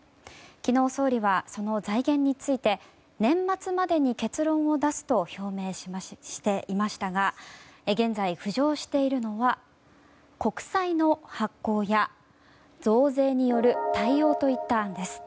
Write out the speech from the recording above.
昨日、総理はその財源について年末までに結論を出すと表明していましたが現在、浮上しているのは国債の発行や増税による対応といった案です。